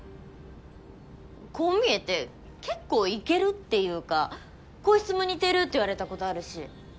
こう見えてけっこうイケるっていうか声質も似てるって言われたことあるし。